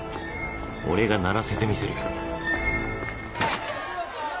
俺が鳴らせてみせる！